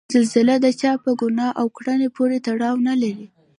زلزله د چا په ګناه او کړنه پورې تړاو نلري.